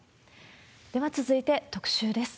では続いて特集です。